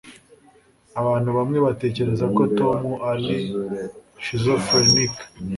abantu bamwe batekereza ko tom ari schizofrenic